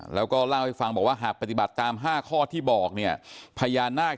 แล้วก็เล่าให้ฟังบอกว่าหากปฏิบัติตาม๕ข้อที่บอกเนี่ยพญานาค